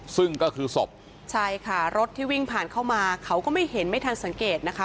ซึ่งก็คือศพใช่ค่ะรถที่วิ่งผ่านเข้ามาเขาก็ไม่เห็นไม่ทันสังเกตนะคะ